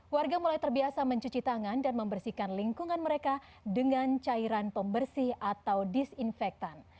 warga mulai terbiasa mencuci tangan dan membersihkan lingkungan mereka dengan cairan pembersih atau disinfektan